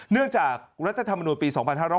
เนื่องจากรัฐธรรมนุนปี๒๕๕๙